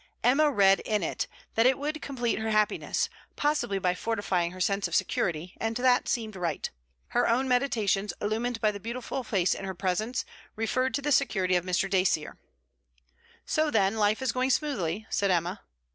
Emma read in it, that it would complete her happiness, possibly by fortifying her sense of security; and that seemed right. Her own meditations, illumined by the beautiful face in her presence, referred to the security of Mr. Dacier. 'So, then, life is going smoothly,' said Emma.